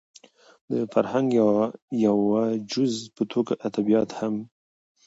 د فرهنګ د يوه جز په توګه ادبيات هم